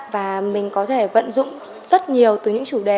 và mình có thể vận dụng rất nhiều từ những chủ đề